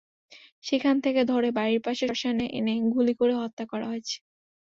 সেখান থেকে ধরে বাড়ির পাশে শ্মশানে এনে গুলি করে হত্যা করা হয়েছে।